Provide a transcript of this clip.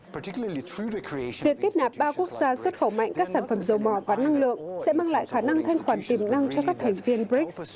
việc kết nạp ba quốc gia xuất khẩu mạnh các sản phẩm dầu mỏ và năng lượng sẽ mang lại khả năng thanh khoản tiềm năng cho các thành viên brics